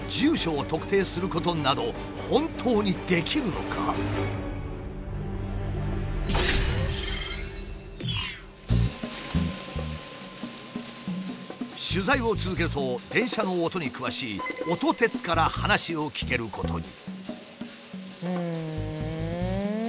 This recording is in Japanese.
しかし取材を続けると電車の音に詳しい「音鉄」から話を聞けることに。